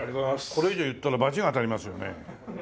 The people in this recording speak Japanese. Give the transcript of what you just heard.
これ以上言ったらバチが当たりますよね。